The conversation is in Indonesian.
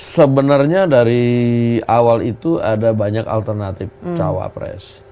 sebenarnya dari awal itu ada banyak alternatif cawapres